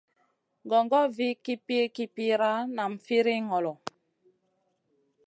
Gongor vih kipir-kipira, nam firiy ŋolo.